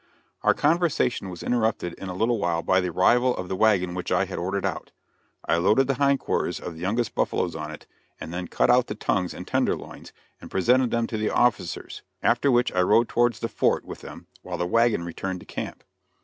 Our conversation was interrupted in a little while by the arrival of the wagon which I had ordered out; I loaded the hind quarters of the youngest buffaloes on it, and then cut out the tongues and tender loins, and presented them to the officers, after which I rode towards the fort with them, while the wagon returned to camp.